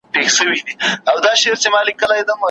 ستا به په انګړ کي د رامبېل ګلونه وسپړم